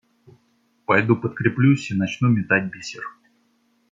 Пойду подкреплюсь и начну метать бисер.